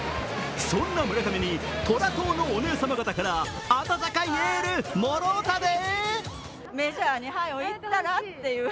そんな村上に虎党のお姉様方から温かいエールもろうたで！